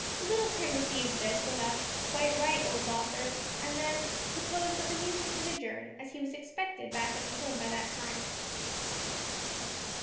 Little Tim received this with a "quite right, old dosser," and then proposed that the meeting should adjourn, as he was expected back at the Home by that time.